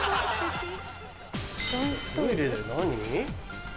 トイレで何？